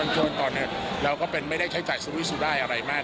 จนตอนนี้เราก็เป็นไม่ได้ใช้จ่ายสุริสุรายอะไรมาก